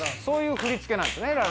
そういう振り付けなんですね